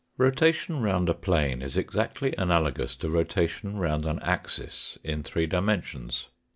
Rotation round a plane is exactly analogous to rotation round an axis in three dimensions.